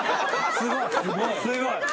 すごい。